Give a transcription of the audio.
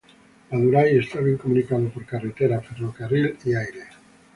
Madurai está bien comunicado por carretera, ferrocarril y aire.